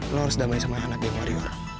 lo harus damai sama hati